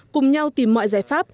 cùng nhau tìm mọi giá